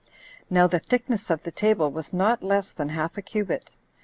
Now the thickness of the table was not less than half a cubit.